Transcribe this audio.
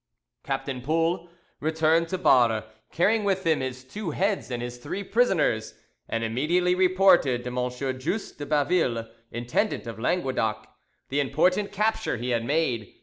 Captain Poul returned to Barre carrying with him his two heads and his three prisoners, and immediately reported to M. Just de Baville, intendant of Languedoc, the important capture he had made.